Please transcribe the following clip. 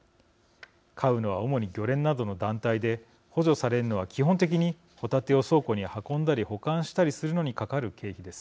買うのは主に漁連などの団体で補助されるのは基本的にホタテを倉庫に運んだり保管したりするのにかかる経費です。